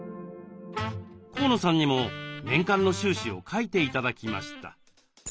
河野さんにも年間の収支を書いて頂きました。